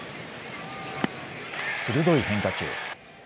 鋭い変化球。